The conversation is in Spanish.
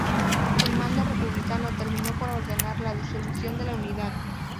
El mando republicano terminó por ordenar la disolución de la unidad.